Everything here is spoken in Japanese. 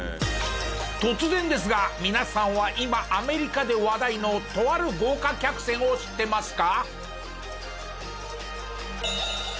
突然ですが皆さんは今アメリカで話題のとある豪華客船を知ってますか？